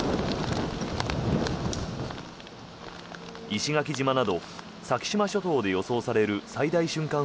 石垣島など、先島諸島で予想される最大瞬間